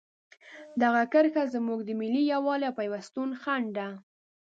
دغه کرښه زموږ د ملي یووالي او پیوستون خنډ ده.